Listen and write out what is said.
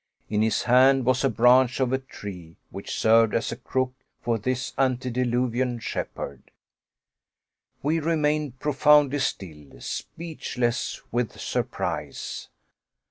In his hand was a branch of a tree, which served as a crook for this antediluvian shepherd. We remained profoundly still, speechless with surprise.